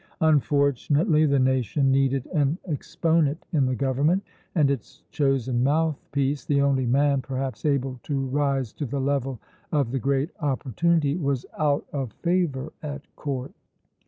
Unfortunately the nation needed an exponent in the government; and its chosen mouthpiece, the only man, perhaps, able to rise to the level of the great opportunity, was out of favor at court.